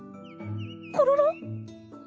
コロロ？